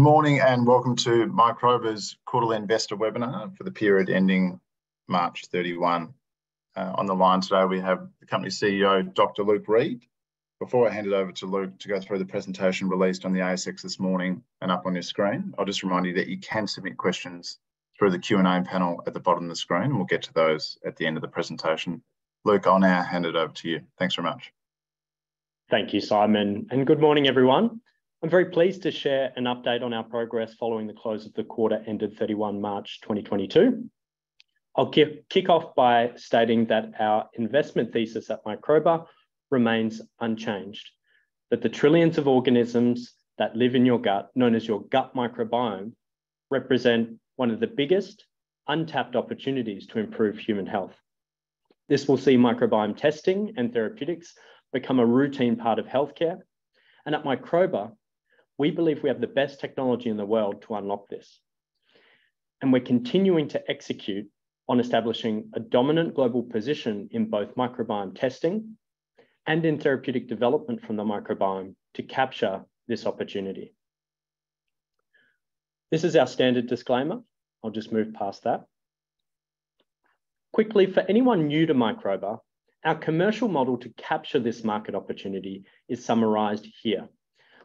Morning, welcome to Microba's quarterly investor webinar for the period ending 31st March. On the line today we have the company CEO, Dr Luke Reid. Before I hand it over to Luke to go through the presentation released on the ASX this morning and up on your screen, I'll just remind you that you can submit questions through the Q&A panel at the bottom of the screen. We'll get to those at the end of the presentation. Luke, I'll now hand it over to you. Thanks very much. Thank you, Simon, and good morning, everyone. I'm very pleased to share an update on our progress following the close of the quarter ended 31st March 2022. I'll kick off by stating that our investment thesis at Microba remains unchanged, that the trillions of organisms that live in your gut, known as your gut microbiome, represent one of the biggest untapped opportunities to improve human health. This will see microbiome testing and therapeutics become a routine part of healthcare. At Microba, we believe we have the best technology in the world to unlock this, and we're continuing to execute on establishing a dominant global position in both microbiome testing and in therapeutic development from the microbiome to capture this opportunity. This is our standard disclaimer. I'll just move past that. Quickly, for anyone new to Microba, our commercial model to capture this market opportunity is summarized here.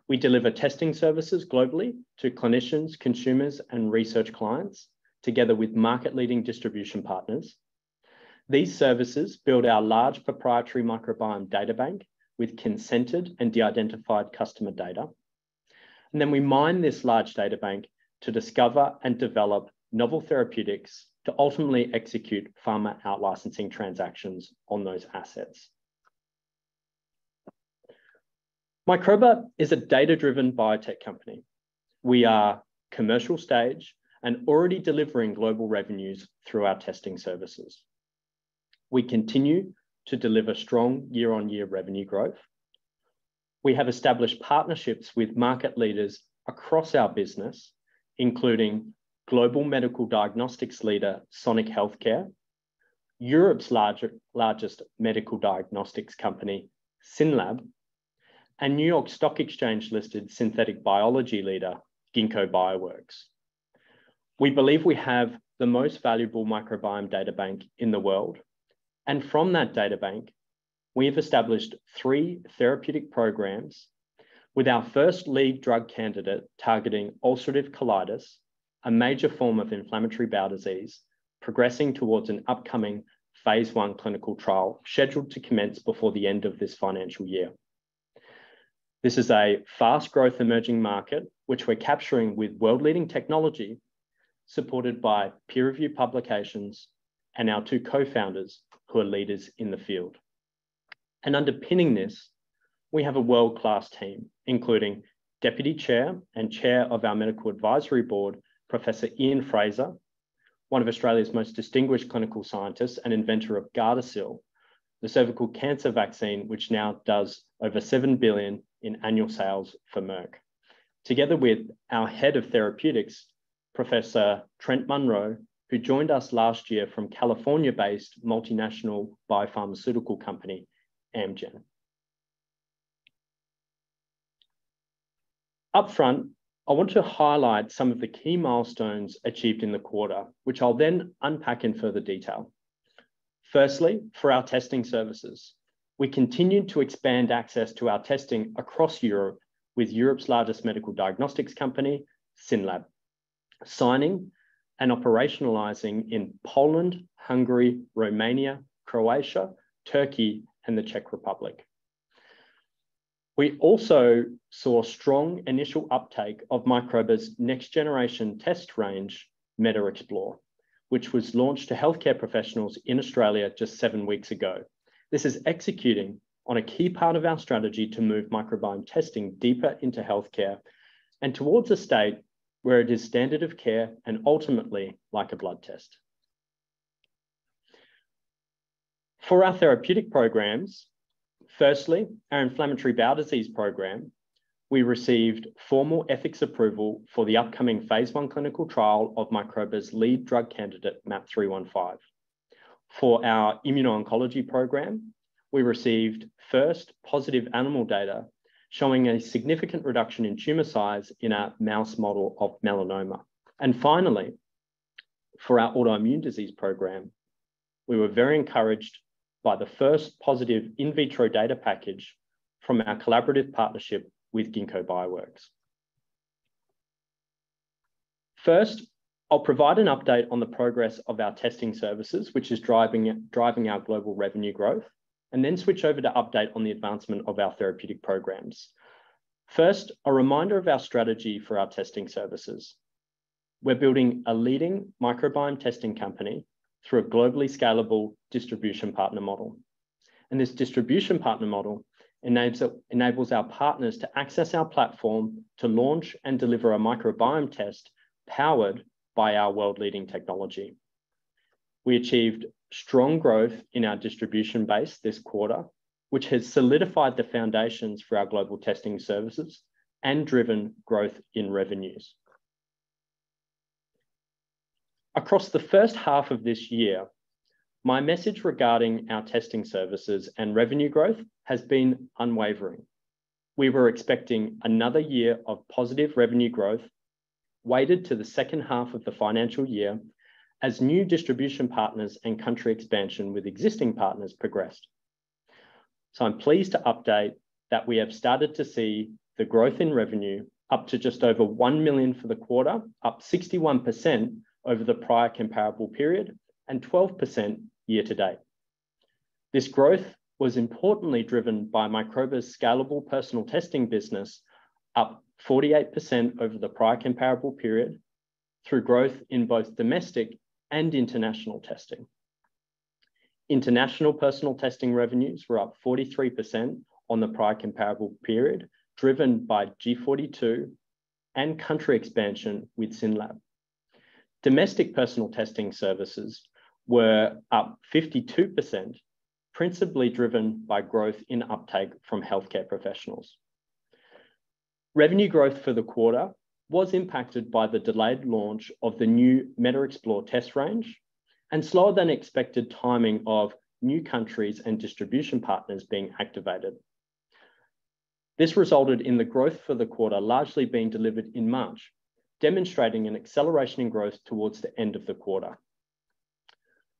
We deliver testing services globally to clinicians, consumers and research clients, together with market-leading distribution partners. These services build our large proprietary microbiome databank with consented and de-identified customer data. We mine this large databank to discover and develop novel therapeutics to ultimately execute pharma out-licensing transactions on those assets. Microba is a data-driven biotech company. We are commercial stage and already delivering global revenues through our testing services. We continue to deliver strong year-on-year revenue growth. We have established partnerships with market leaders across our business, including global medical diagnostics leader Sonic Healthcare, Europe's largest medical diagnostics company, SYNLAB, and New York Stock Exchange-listed synthetic biology leader, Ginkgo Bioworks. We believe we have the most valuable microbiome databank in the world. From that databank, we have established three therapeutic programs with our first lead drug candidate targeting ulcerative colitis, a major form of inflammatory bowel disease, progressing towards an upcoming phase I clinical trial scheduled to commence before the end of this financial year. This is a fast growth emerging market, which we're capturing with world-leading technology, supported by peer review publications and our two co-founders who are leaders in the field. Underpinning this, we have a world-class team, including Deputy Chair and Chair of our Medical Advisory Board, Professor Ian Frazer, one of Australia's most distinguished clinical scientists and inventor of Gardasil, the cervical cancer vaccine, which now does over $7 billion in annual sales for Merck. Together with our Head of Therapeutics, Professor Trent Munro, who joined us last year from California-based multinational biopharmaceutical company, Amgen. Upfront, I want to highlight some of the key milestones achieved in the quarter, which I'll then unpack in further detail. Firstly, for our testing services, we continued to expand access to our testing across Europe with Europe's largest medical diagnostics company, SYNLAB, signing and operationalizing in Poland, Hungary, Romania, Croatia, Turkey and the Czech Republic. We also saw strong initial uptake of Microba's next generation test range, MetaXplore, which was launched to healthcare professionals in Australia just seven weeks ago. This is executing on a key part of our strategy to move microbiome testing deeper into healthcare and towards a state where it is standard of care and ultimately like a blood test. For our therapeutic programs, firstly, our inflammatory bowel disease program, we received formal ethics approval for the upcoming phase I clinical trial of Microba's lead drug candidate, MAP 315. For our immuno-oncology program, we received first positive animal data showing a significant reduction in tumor size in our mouse model of melanoma. Finally, for our autoimmune disease program, we were very encouraged by the first positive in vitro data package from our collaborative partnership with Ginkgo Bioworks. First, I'll provide an update on the progress of our testing services, which is driving our global revenue growth, then switch over to update on the advancement of our therapeutic programs. First, a reminder of our strategy for our testing services. We're building a leading microbiome testing company through a globally scalable distribution partner model. This distribution partner model enables our partners to access our platform to launch and deliver a microbiome test powered by our world-leading technology. We achieved strong growth in our distribution base this quarter, which has solidified the foundations for our global testing services and driven growth in revenues. Across the first half of this year, my message regarding our testing services and revenue growth has been unwavering. We were expecting another year of positive revenue growth weighted to the second half of the financial year as new distribution partners and country expansion with existing partners progressed. I'm pleased to update that we have started to see the growth in revenue up to just over 1 million for the quarter, up 61% over the prior comparable period and 12% year to date. This growth was importantly driven by Microba's scalable personal testing business, up 48% over the prior comparable period through growth in both domestic and international testing. International personal testing revenues were up 43% on the prior comparable period, driven by G42 and country expansion with SYNLAB. Domestic personal testing services were up 52%, principally driven by growth in uptake from healthcare professionals. Revenue growth for the quarter was impacted by the delayed launch of the new MetaXplore test range and slower than expected timing of new countries and distribution partners being activated. This resulted in the growth for the quarter largely being delivered in March, demonstrating an acceleration in growth towards the end of the quarter.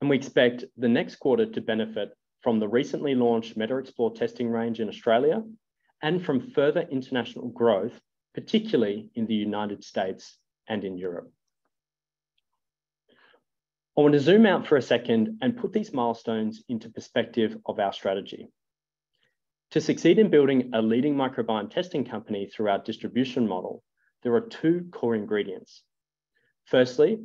We expect the next quarter to benefit from the recently launched MetaXplore testing range in Australia and from further international growth, particularly in the United States and in Europe. I want to zoom out for a second and put these milestones into perspective of our strategy. To succeed in building a leading microbiome testing company through our distribution model, there are two core ingredients. Firstly,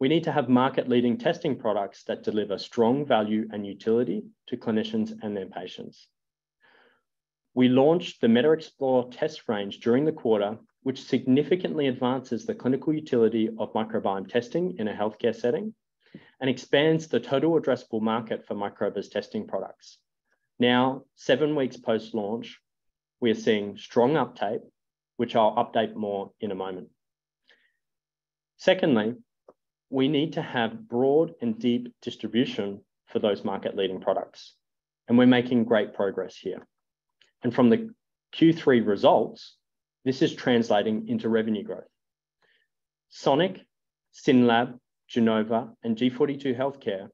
we need to have market-leading testing products that deliver strong value and utility to clinicians and their patients. We launched the MetaXplore test range during the quarter, which significantly advances the clinical utility of microbiome testing in a healthcare setting and expands the total addressable market for Microba's testing products. Now, seven weeks post-launch, we are seeing strong uptake, which I'll update more in a moment. Secondly, we need to have broad and deep distribution for those market-leading products, and we're making great progress here. From the Q3 results, this is translating into revenue growth. Sonic, SYNLAB, Genova, and G42 Healthcare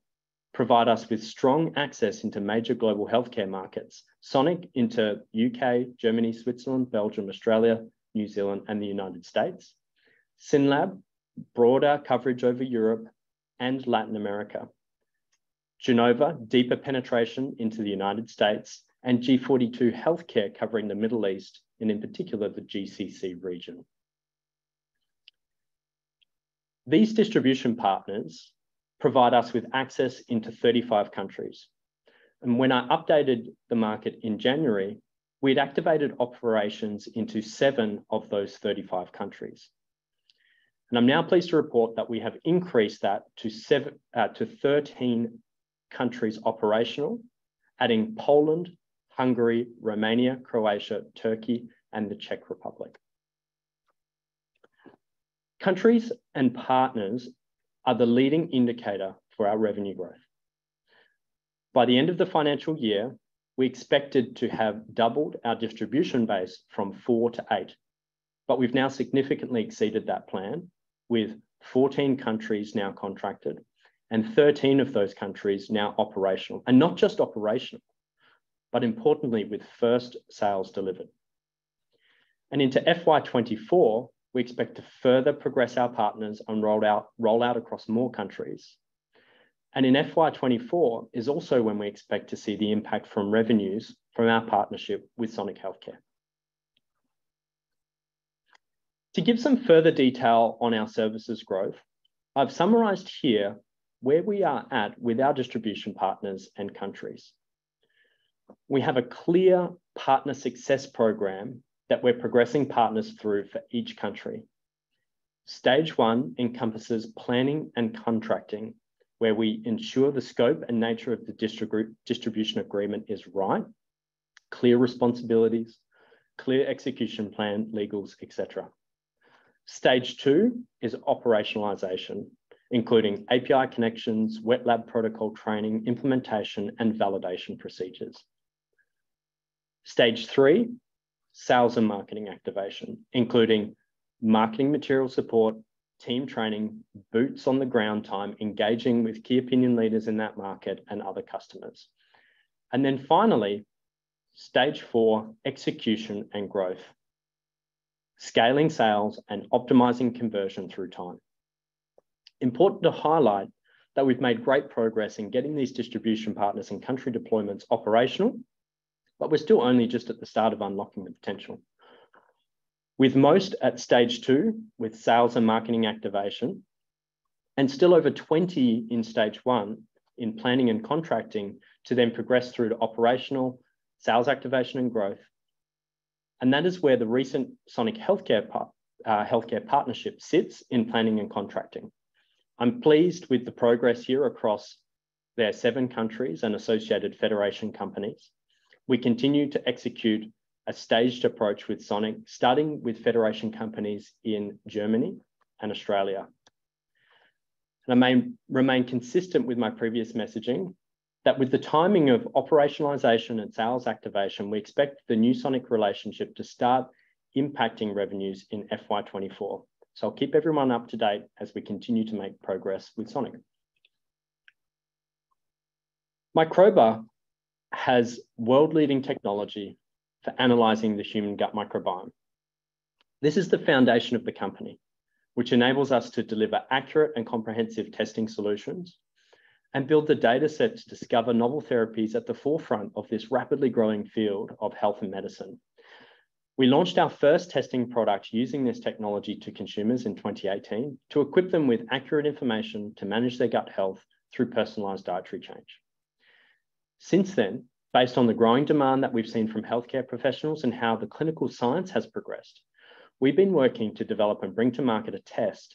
provide us with strong access into major global healthcare markets. Sonic into U.K. Germany, Switzerland, Belgium, Australia, New Zealand, and the United States. SYNLAB, broader coverage over Europe and Latin America. Genova, deeper penetration into the United States. G42 Healthcare covering the Middle East and, in particular, the GCC region. These distribution partners provide us with access into 35 countries. When I updated the market in January, we'd activated operations into seven of those 35 countries. I'm now pleased to report that we have increased that to 13 countries operational, adding Poland, Hungary, Romania, Croatia, Turkey, and the Czech Republic. Countries and partners are the leading indicator for our revenue growth. By the end of the financial year, we expected to have doubled our distribution base from 4-8, but we've now significantly exceeded that plan with 14 countries now contracted, and 13 of those countries now operational. Not just operational, but importantly with first sales delivered. Into FY 2024, we expect to further progress our partners and roll out across more countries. In FY 2024 is also when we expect to see the impact from revenues from our partnership with Sonic Healthcare. To give some further detail on our services growth, I've summarized here where we are at with our distribution partners and countries. We have a clear partner success program that we're progressing partners through for each country. Stage one encompasses planning and contracting, where we ensure the scope and nature of the distribution agreement is right, clear responsibilities, clear execution plan, legals, et cetera. Stage two is operationalization, including API connections, wet lab protocol training, implementation, and validation procedures. Stage three, sales and marketing activation, including marketing material support, team training, boots on the ground time, engaging with key opinion leaders in that market and other customers. Then finally, stage four, execution and growth, scaling sales and optimizing conversion through time. Important to highlight that we've made great progress in getting these distribution partners and country deployments operational, but we're still only just at the start of unlocking the potential. With most at stage two, with sales and marketing activation, and still over 20 in stage one in planning and contracting to then progress through to operational sales activation and growth. That is where the recent Sonic Healthcare partnership sits in planning and contracting. I'm pleased with the progress here across their seven countries and associated Federation companies. We continue to execute a staged approach with Sonic, starting with Federation companies in Germany and Australia. I remain consistent with my previous messaging, that with the timing of operationalization and sales activation, we expect the new Sonic relationship to start impacting revenues in FY 2024. I'll keep everyone up to date as we continue to make progress with Sonic. Microba has world-leading technology for analyzing the human gut microbiome. This is the foundation of the company, which enables us to deliver accurate and comprehensive testing solutions and build the data set to discover novel therapies at the forefront of this rapidly growing field of health and medicine. We launched our first testing product using this technology to consumers in 2018 to equip them with accurate information to manage their gut health through personalized dietary change. Based on the growing demand that we've seen from healthcare professionals and how the clinical science has progressed, we've been working to develop and bring to market a test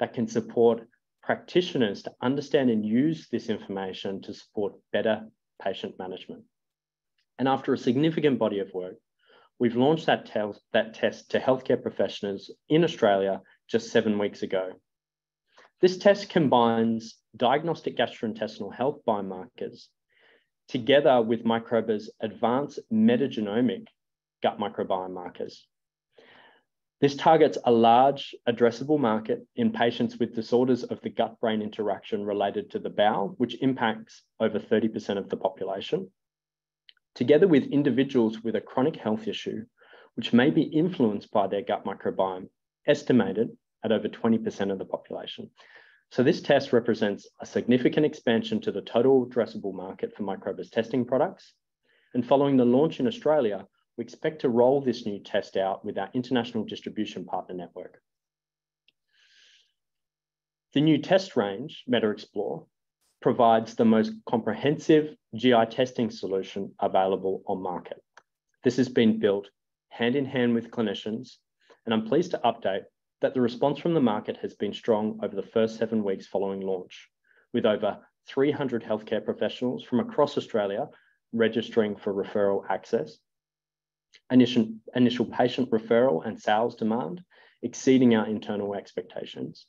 that can support practitioners to understand and use this information to support better patient management. After a significant body of work, we've launched that test to healthcare professionals in Australia just seven weeks ago. This test combines diagnostic gastrointestinal health biomarkers together with Microba's advanced metagenomic gut microbiome markers. This targets a large addressable market in patients with disorders of the gut-brain interaction related to the bowel, which impacts over 30% of the population, together with individuals with a chronic health issue which may be influenced by their gut microbiome, estimated at over 20% of the population. This test represents a significant expansion to the total addressable market for Microba's testing products. Following the launch in Australia, we expect to roll this new test out with our international distribution partner network. The new test range, MetaXplore, provides the most comprehensive GI testing solution available on market. This has been built hand in hand with clinicians, and I'm pleased to update that the response from the market has been strong over the first seven weeks following launch, with over 300 healthcare professionals from across Australia registering for referral access, initial patient referral and sales demand exceeding our internal expectations,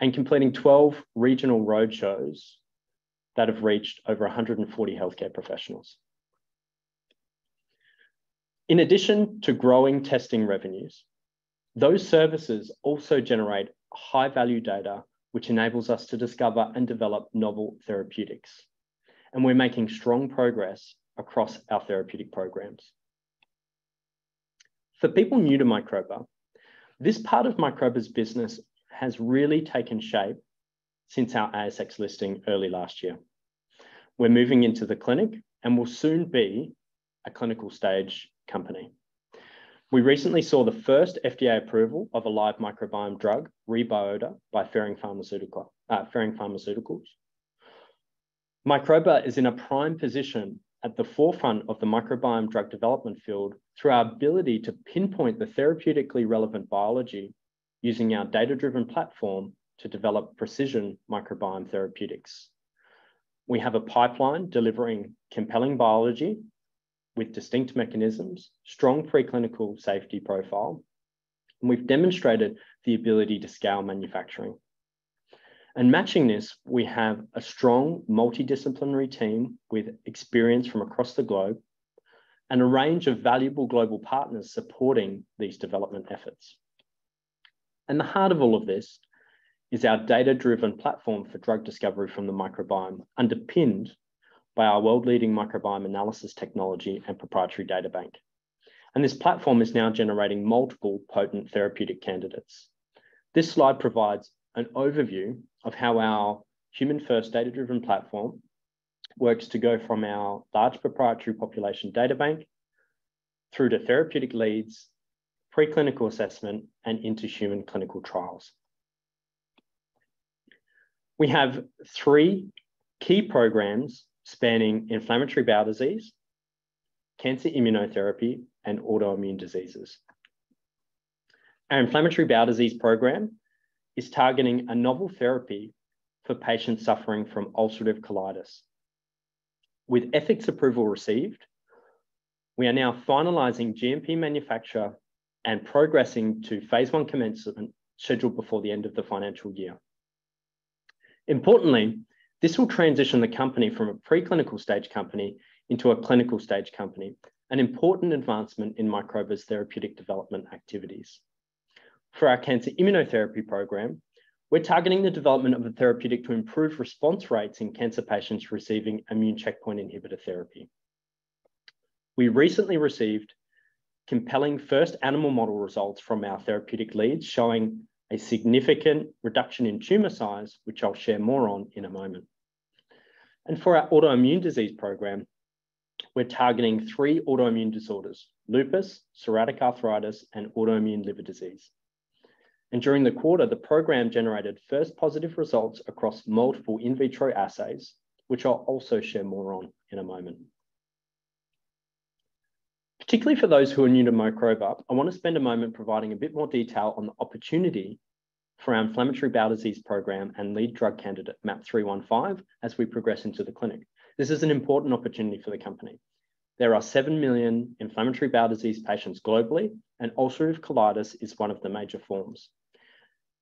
and completing 12 regional roadshows that have reached over 140 healthcare professionals. In addition to growing testing revenues, those services also generate high-value data which enables us to discover and develop novel therapeutics, and we're making strong progress across our therapeutic programs. For people new to Microba, this part of Microba's business has really taken shape since our ASX listing early last year. We're moving into the clinic and will soon be a clinical stage company. We recently saw the first FDA approval of a live microbiome drug, REBYOTA, by Ferring Pharmaceuticals. Microba is in a prime position at the forefront of the microbiome drug development field through our ability to pinpoint the therapeutically relevant biology using our data-driven platform to develop precision microbiome therapeutics. We have a pipeline delivering compelling biology with distinct mechanisms, strong preclinical safety profile, and we've demonstrated the ability to scale manufacturing. Matching this, we have a strong multidisciplinary team with experience from across the globe and a range of valuable global partners supporting these development efforts. The heart of all of this is our data-driven platform for drug discovery from the microbiome, underpinned by our world-leading microbiome analysis technology and proprietary databank. This platform is now generating multiple potent therapeutic candidates. This slide provides an overview of how our human-first data-driven platform works to go from our large proprietary population databank through to therapeutic leads, preclinical assessment, and into human clinical trials. We have three key programs spanning inflammatory bowel disease, cancer immunotherapy, and autoimmune diseases. Our inflammatory bowel disease program is targeting a novel therapy for patients suffering from ulcerative colitis. With ethics approval received, we are now finalizing GMP manufacture and progressing to phase I commencement scheduled before the end of the financial year. Importantly, this will transition the company from a preclinical stage company into a clinical stage company, an important advancement in Microba's therapeutic development activities. For our cancer immunotherapy program, we're targeting the development of a therapeutic to improve response rates in cancer patients receiving immune checkpoint inhibitor therapy. We recently received compelling first animal model results from our therapeutic leads, showing a significant reduction in tumor size, which I'll share more on in a moment. For our autoimmune disease program, we're targeting 3 autoimmune disorders: lupus, psoriatic arthritis, and autoimmune liver disease. During the quarter, the program generated first positive results across multiple in vitro assays, which I'll also share more on in a moment. Particularly for those who are new to Microba, I wanna spend a moment providing a bit more detail on the opportunity for our inflammatory bowel disease program and lead drug candidate, MAP 315, as we progress into the clinic. This is an important opportunity for the company. There are 7 million inflammatory bowel disease patients globally. Ulcerative colitis is one of the major forms.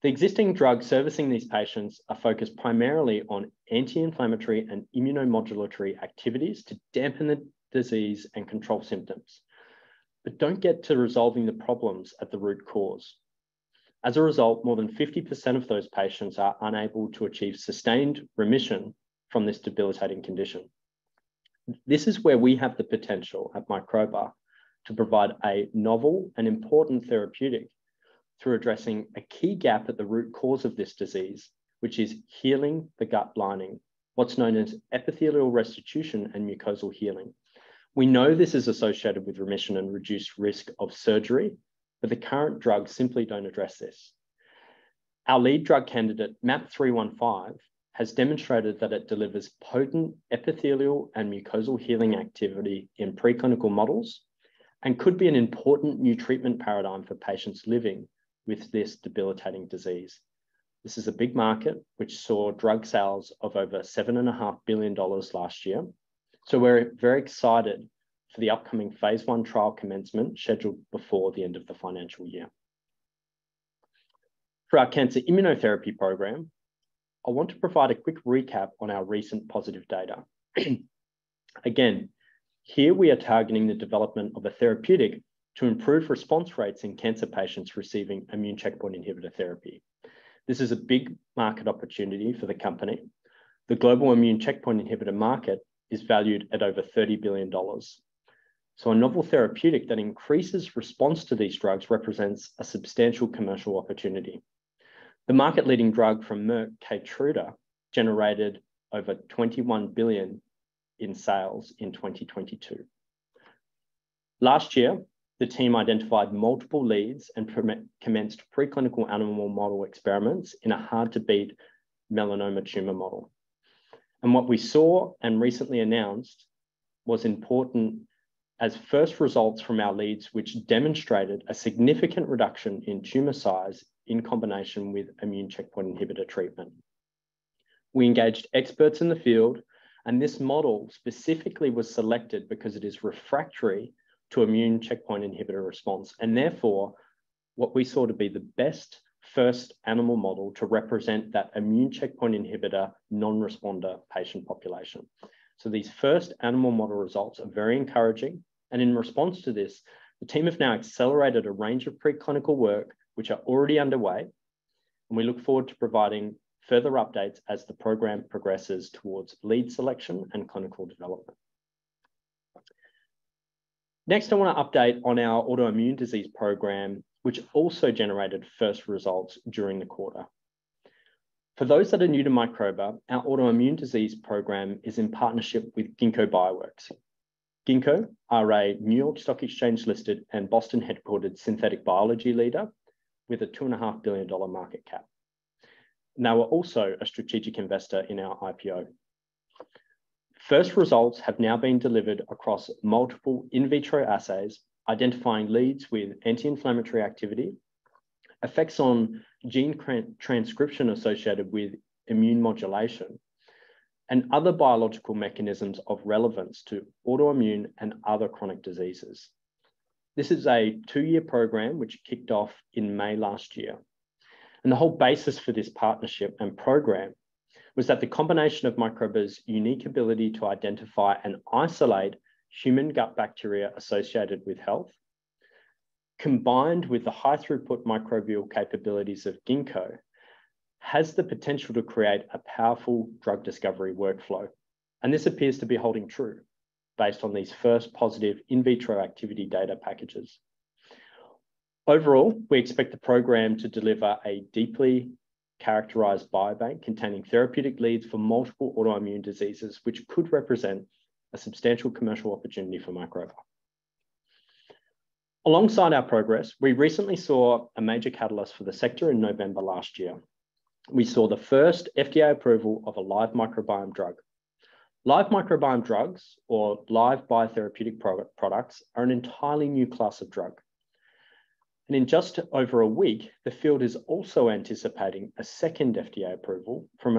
The existing drugs servicing these patients are focused primarily on anti-inflammatory and immunomodulatory activities to dampen the disease and control symptoms, but don't get to resolving the problems at the root cause. As a result, more than 50% of those patients are unable to achieve sustained remission from this debilitating condition. This is where we have the potential at Microba to provide a novel and important therapeutic through addressing a key gap at the root cause of this disease, which is healing the gut lining, what's known as epithelial restitution and mucosal healing. We know this is associated with remission and reduced risk of surgery. The current drugs simply don't address this. Our lead drug candidate, MAP 315, has demonstrated that it delivers potent epithelial and mucosal healing activity in preclinical models, and could be an important new treatment paradigm for patients living with this debilitating disease. This is a big market, which saw drug sales of over $7.5 billion last year. We're very excited for the upcoming phase I trial commencement scheduled before the end of the financial year. For our cancer immunotherapy program, I want to provide a quick recap on our recent positive data. Again, here we are targeting the development of a therapeutic to improve response rates in cancer patients receiving immune checkpoint inhibitor therapy. This is a big market opportunity for the company. The global immune checkpoint inhibitor market is valued at over $30 billion, so a novel therapeutic that increases response to these drugs represents a substantial commercial opportunity. The market-leading drug from Merck, Keytruda, generated over $21 billion in sales in 2022. Last year, the team identified multiple leads and perma-commenced preclinical animal model experiments in a hard to beat melanoma tumor model. What we saw and recently announced was important as first results from our leads, which demonstrated a significant reduction in tumor size in combination with immune checkpoint inhibitor treatment. We engaged experts in the field, this model specifically was selected because it is refractory to immune checkpoint inhibitor response, therefore what we saw to be the best first animal model to represent that immune checkpoint inhibitor non-responder patient population. These first animal model results are very encouraging, and in response to this, the team have now accelerated a range of preclinical work which are already underway, and we look forward to providing further updates as the program progresses towards lead selection and clinical development. Next, I wanna update on our autoimmune disease program, which also generated first results during the quarter. For those that are new to Microba, our autoimmune disease program is in partnership with Ginkgo Bioworks. Ginkgo are a New York Stock Exchange-listed and Boston-headquartered synthetic biology leader with a two and a half billion dollar market cap, and they were also a strategic investor in our IPO. First results have now been delivered across multiple in vitro assays, identifying leads with anti-inflammatory activity, effects on gene transcription associated with immune modulation, and other biological mechanisms of relevance to autoimmune and other chronic diseases. This is a two-year program which kicked off in May last year. The whole basis for this partnership and program was that the combination of Microba's unique ability to identify and isolate human gut bacteria associated with health, combined with the high-throughput microbial capabilities of Ginkgo, has the potential to create a powerful drug discovery workflow. This appears to be holding true based on these first positive in vitro activity data packages. Overall, we expect the program to deliver a deeply characterized biobank containing therapeutic leads for multiple autoimmune diseases, which could represent a substantial commercial opportunity for Microba. Alongside our progress, we recently saw a major catalyst for the sector in November last year. We saw the first FDA approval of a live microbiome drug. Live microbiome drugs or live biotherapeutic products are an entirely new class of drug. In just over a week, the field is also anticipating a second FDA approval from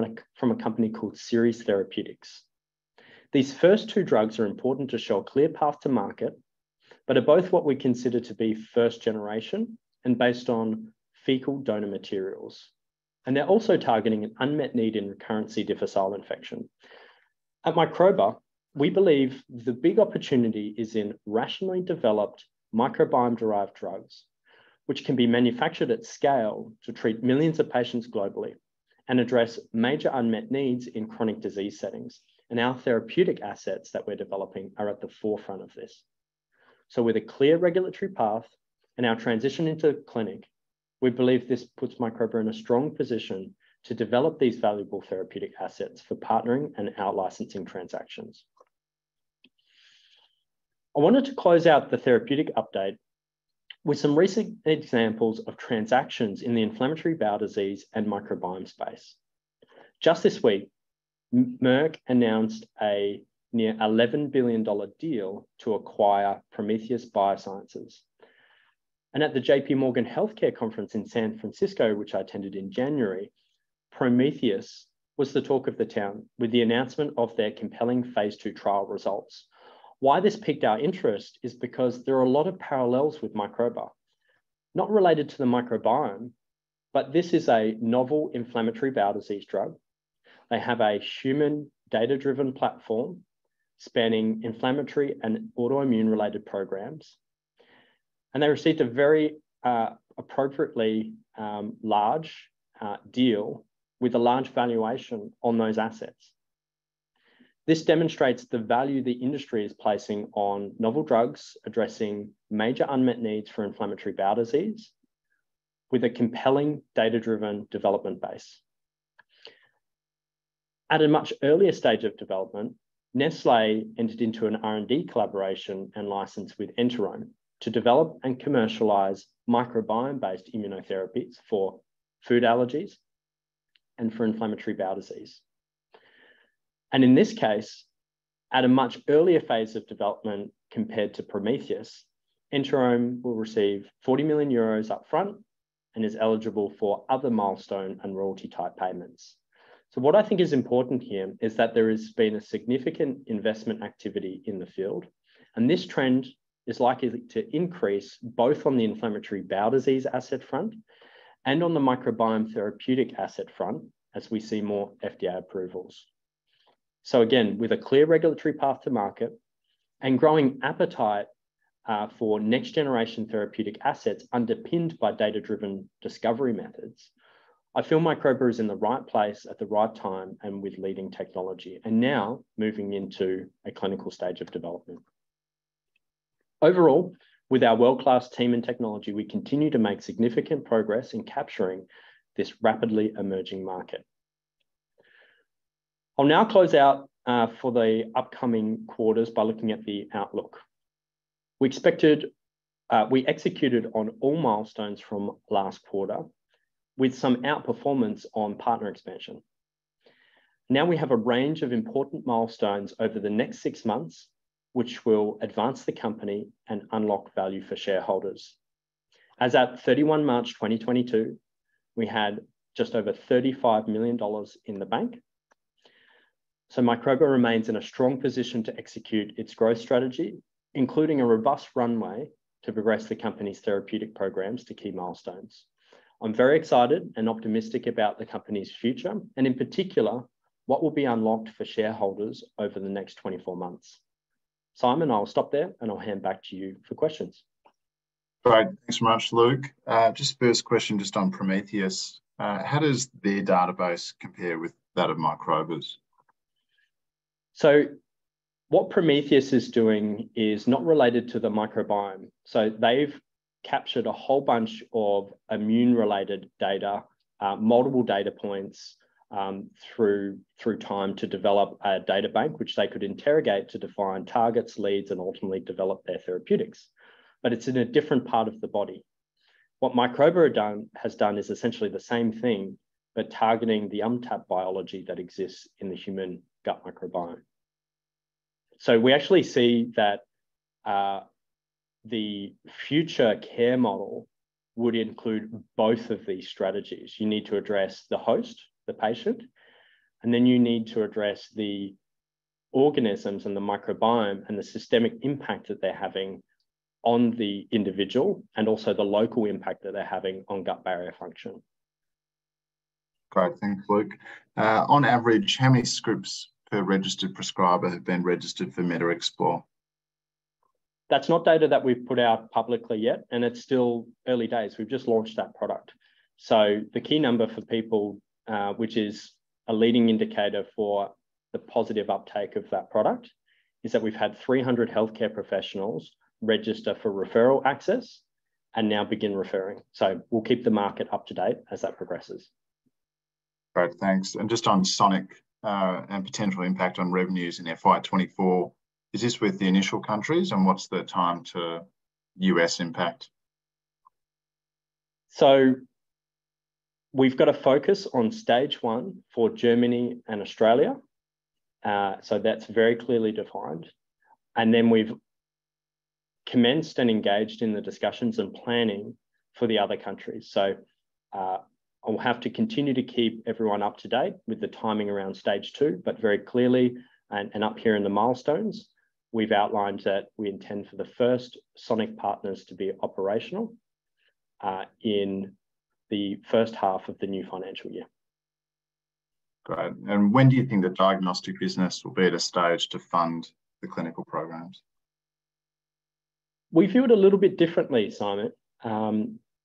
a company called Seres Therapeutics. These first two drugs are important to show a clear path to market, but are both what we consider to be first generation and based on fecal donor materials. They're also targeting an unmet need in recurrent C. difficile infection. At Microba, we believe the big opportunity is in rationally developed microbiome-derived drugs, which can be manufactured at scale to treat millions of patients globally and address major unmet needs in chronic disease settings, and our therapeutic assets that we're developing are at the forefront of this. With a clear regulatory path and our transition into clinic, we believe this puts Microba in a strong position to develop these valuable therapeutic assets for partnering and out-licensing transactions. I wanted to close out the therapeutic update with some recent examples of transactions in the inflammatory bowel disease and microbiome space. Just this week, Merck announced a near $11 billion deal to acquire Prometheus Biosciences. At the J.P. Morgan Healthcare Conference in San Francisco, which I attended in January, Prometheus was the talk of the town with the announcement of their compelling phase II trial results. Why this piqued our interest is because there are a lot of parallels with Microba. Not related to the microbiome, but this is a novel inflammatory bowel disease drug. They have a human data-driven platform spanning inflammatory and autoimmune related programs. They received a very appropriately large deal with a large valuation on those assets. This demonstrates the value the industry is placing on novel drugs addressing major unmet needs for inflammatory bowel disease with a compelling data-driven development base. At a much earlier stage of development, Nestlé entered into an R&D collaboration and license with Enterome to develop and commercialize microbiome-based immunotherapies for food allergies and for inflammatory bowel disease. In this case, at a much earlier phase of development compared to Prometheus, Enterome will receive 40 million euros up front and is eligible for other milestone and royalty type payments. What I think is important here is that there has been a significant investment activity in the field, and this trend is likely to increase both on the inflammatory bowel disease asset front and on the microbiome therapeutic asset front as we see more FDA approvals. Again, with a clear regulatory path to market and growing appetite, for next generation therapeutic assets underpinned by data-driven discovery methods, I feel Microba is in the right place at the right time and with leading technology, and now moving into a clinical stage of development. Overall, with our world-class team and technology, we continue to make significant progress in capturing this rapidly emerging market. I'll now close out, for the upcoming quarters by looking at the outlook. We executed on all milestones from last quarter with some outperformance on partner expansion. We have a range of important milestones over the next 6 months which will advance the company and unlock value for shareholders. As at 31st March 2022, we had just over 35 million dollars in the bank. Microba remains in a strong position to execute its growth strategy, including a robust runway to progress the company's therapeutic programs to key milestones. I'm very excited and optimistic about the company's future and, in particular, what will be unlocked for shareholders over the next 24 months. Simon, I'll stop there, and I'll hand back to you for questions. Great. Thanks much, Luke. Just first question just on Prometheus. How does their database compare with that of Microba's? What Prometheus is doing is not related to the microbiome. They've captured a whole bunch of immune-related data, multiple data points, through time to develop a data bank which they could interrogate to define targets, leads, and ultimately develop their therapeutics. It's in a different part of the body. What Microba has done is essentially the same thing but targeting the untapped biology that exists in the human gut microbiome. We actually see that the future care model would include both of these strategies. You need to address the host, the patient, and then you need to address the organisms and the microbiome and the systemic impact that they're having on the individual and also the local impact that they're having on gut barrier function. Great. Thanks, Luke. On average, how many scripts per registered prescriber have been registered for MetaXplore? That's not data that we've put out publicly yet. It's still early days. We've just launched that product. The key number for people, which is a leading indicator for the positive uptake of that product, is that we've had 300 healthcare professionals register for referral access and now begin referring. We'll keep the market up to date as that progresses. Great. Thanks. Just on Sonic, and potential impact on revenues in FY 2024, is this with the initial countries, and what's the time to U.S. impact? We've got to focus on stage one for Germany and Australia. That's very clearly defined. Then we've commenced and engaged in the discussions and planning for the other countries. I'll have to continue to keep everyone up to date with the timing around stage two, but very clearly and up here in the milestones, we've outlined that we intend for the first Sonic partners to be operational in the first half of the new financial year. Great. When do you think the diagnostic business will be at a stage to fund the clinical programs? We view it a little bit differently, Simon.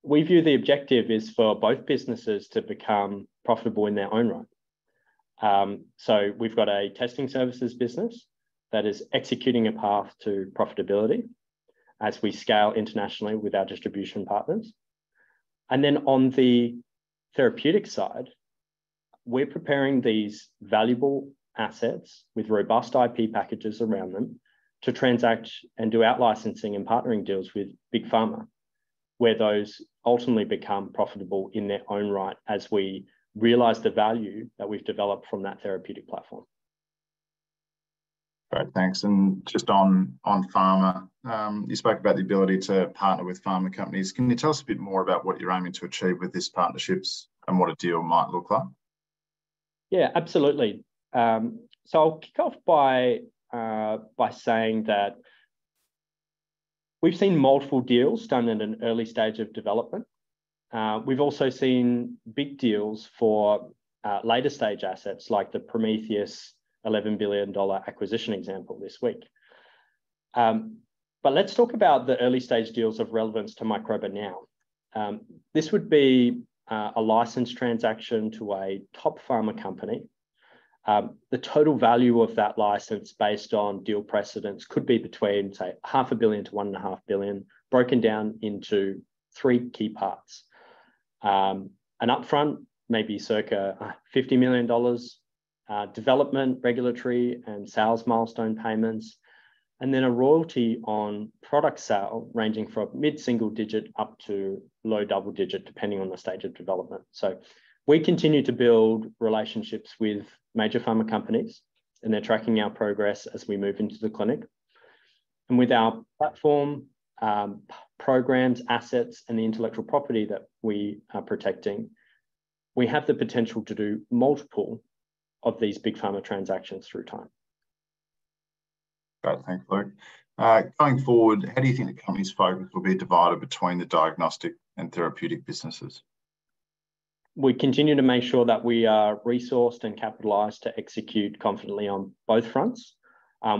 We view the objective is for both businesses to become profitable in their own right. We've got a testing services business that is executing a path to profitability as we scale internationally with our distribution partners. Then on the therapeutic side, we're preparing these valuable assets with robust IP packages around them to transact and do out licensing and partnering deals with big pharma. Where those ultimately become profitable in their own right as we realize the value that we've developed from that therapeutic platform. Great, thanks. Just on pharma, you spoke about the ability to partner with pharma companies. Can you tell us a bit more about what you're aiming to achieve with these partnerships and what a deal might look like? Yeah, absolutely. I'll kick off by saying that we've seen multiple deals done in an early stage of development. We've also seen big deals for later stage assets like the Prometheus $11 billion acquisition example this week. Let's talk about the early stage deals of relevance to Microba now. This would be a licensed transaction to a top pharma company. The total value of that license based on deal precedence could be between, say, half a billion to one and a half billion, broken down into three key parts. An upfront, maybe circa $50 million, development, regulatory, and sales milestone payments, a royalty on product sale ranging from mid-single digit up to low double digit, depending on the stage of development. We continue to build relationships with major pharma companies, and they're tracking our progress as we move into the clinic. With our platform, programs, assets, and the intellectual property that we are protecting, we have the potential to do multiple of these big pharma transactions through time. Great. Thanks, Luke. Going forward, how do you think the company's focus will be divided between the diagnostic and therapeutic businesses? We continue to make sure that we are resourced and capitalized to execute confidently on both fronts.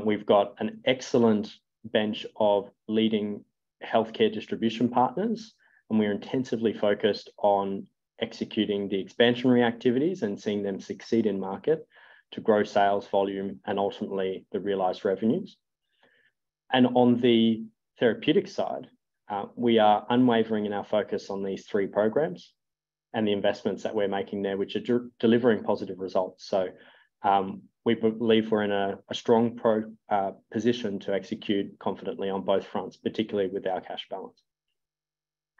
We've got an excellent bench of leading healthcare distribution partners. We're intensively focused on executing the expansionary activities and seeing them succeed in market to grow sales volume and ultimately the realized revenues. On the therapeutic side, we are unwavering in our focus on these three programs and the investments that we're making there, which are delivering positive results. We believe we're in a strong position to execute confidently on both fronts, particularly with our cash balance.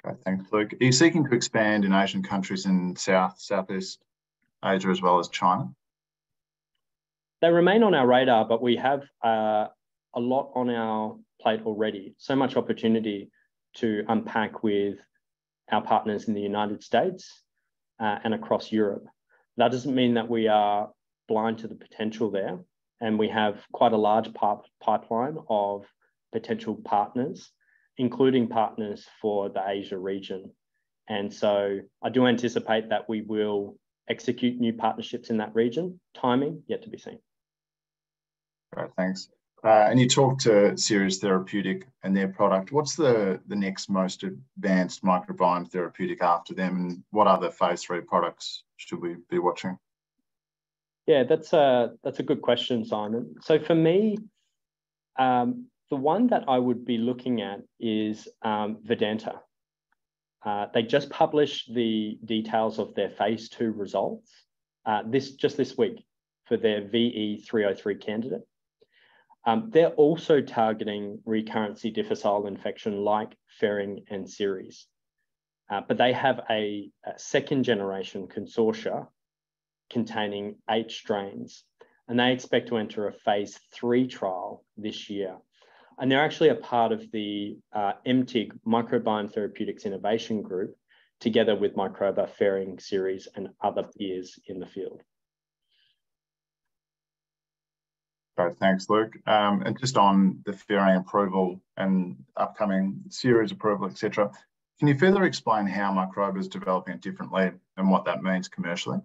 Okay. Thanks, Luke. Are you seeking to expand in Asian countries in South, Southeast Asia as well as China? They remain on our radar, but we have a lot on our plate already. Much opportunity to unpack with our partners in the United States and across Europe. That doesn't mean that we are blind to the potential there, and we have quite a large pipeline of potential partners, including partners for the Asia region. I do anticipate that we will execute new partnerships in that region. Timing, yet to be seen. All right, thanks. You talked to Seres Therapeutics and their product. What's the next most advanced microbiome therapeutic after them, and what other phase III products should we be watching? Yeah, that's a good question, Simon. For me, the one that I would be looking at is Vedanta. They just published the details of their phase II results this, just this week for their VE303 candidate. They're also targeting recurrent C. difficile infection like Ferring and Seres. They have a second generation consortia containing eight strains, and they expect to enter a phase III trial this year. They're actually a part of the MTIG, Microbiome Therapeutics Innovation Group, together with Microba, Ferring, Seres, and other peers in the field. Great. Thanks, Luke. Just on the Ferring approval and upcoming Seres approval, et cetera, can you further explain how Microba is developing it differently and what that means commercially?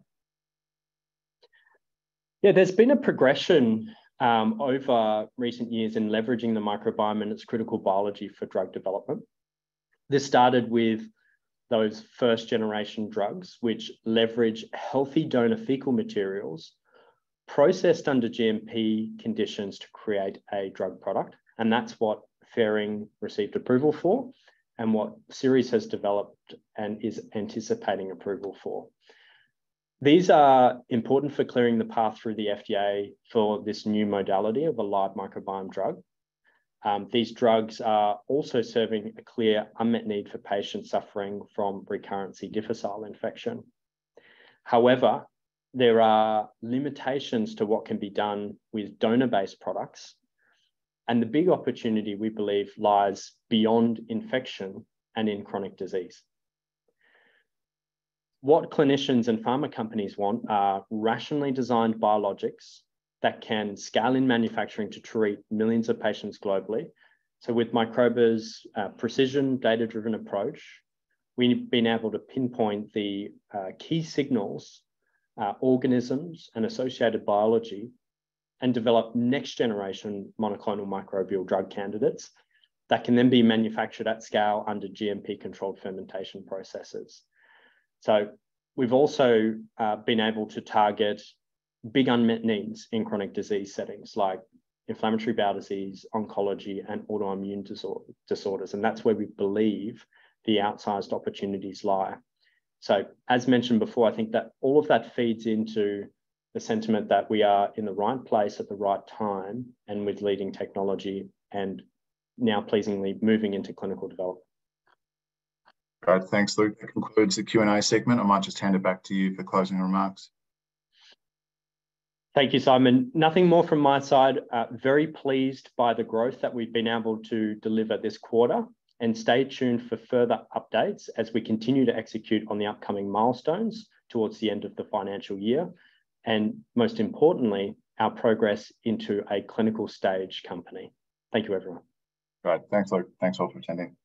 Yeah. There's been a progression, over recent years in leveraging the microbiome and its critical biology for drug development. This started with those first generation drugs, which leverage healthy donor fecal materials processed under GMP conditions to create a drug product, and that's what Ferring received approval for and what Seres has developed and is anticipating approval for. These are important for clearing the path through the FDA for this new modality of a live microbiome drug. These drugs are also serving a clear unmet need for patients suffering from recurrent C. difficile infection. However, there are limitations to what can be done with donor-based products, and the big opportunity, we believe, lies beyond infection and in chronic disease. What clinicians and pharma companies want are rationally designed biologics that can scale in manufacturing to treat millions of patients globally. With Microba's precision data-driven approach, we've been able to pinpoint the key signals, organisms, and associated biology and develop next generation monoclonal microbial drug candidates that can then be manufactured at scale under GMP-controlled fermentation processes. We've also been able to target big unmet needs in chronic disease settings like inflammatory bowel disease, oncology, and autoimmune disorders, and that's where we believe the outsized opportunities lie. As mentioned before, I think that all of that feeds into the sentiment that we are in the right place at the right time and with leading technology and now pleasingly moving into clinical development. All right. Thanks, Luke. That concludes the Q&A segment. I might just hand it back to you for closing remarks. Thank you, Simon. Nothing more from my side. Very pleased by the growth that we've been able to deliver this quarter, and stay tuned for further updates as we continue to execute on the upcoming milestones towards the end of the financial year and, most importantly, our progress into a clinical stage company. Thank you, everyone. Right. Thanks, Luke. Thanks all for attending.